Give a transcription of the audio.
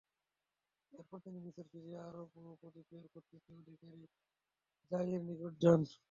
এরপর তিনি মিসর, সিরিয়া ও আরব উপদ্বীপের কর্তৃত্বের অধিকারী যাহিরের নিকট যান।